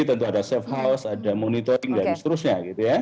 tentu ada safe house ada monitoring dan seterusnya